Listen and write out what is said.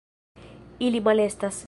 Ili malestas.